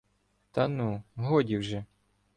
— Та ну, годі вже.